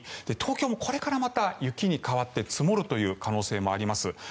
東京もこれからまた雪に変わって積もる可能性もあります。